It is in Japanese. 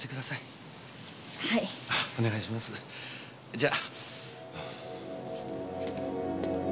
じゃあ。